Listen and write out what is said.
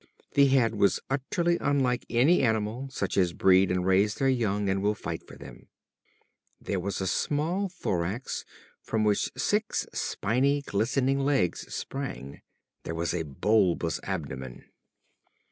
The head was utterly unlike any animal such as breed and raise their young and will fight for them. There was a small thorax, from which six spiny, glistening legs sprang. There was a bulbous abdomen.